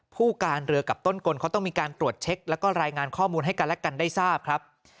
ผู้การเรือกับต้นกลเขาต้องมีการตรวจเช็คแล้วก็รายงานข้อมูลให้กันและกันได้ทราบครับ